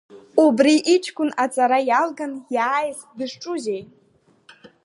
Убри иҷкәын аҵара иалганы иааз дызҿузеи?